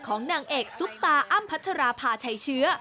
นางเอกซุปตาอ้ำพัชราภาชัยเชื้อ